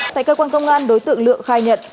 tại cơ quan công an đối tượng lượng khai nhận